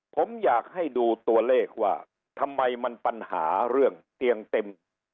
ผมอยากให้ดูตัวเลขว่าทำไมมันปัญหาเรื่องเตียงเต็ม